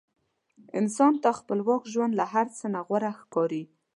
انسان ته خپلواک ژوند له هر څه نه غوره ښکاري.